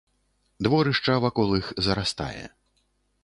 Дворышча вакол іх зарастае.